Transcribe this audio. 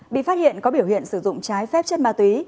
bị phát hiện có biểu hiện sử dụng trái phép chất ma túy